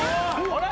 ・あれ？